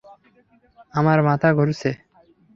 আমার মাথা ঘুরছে।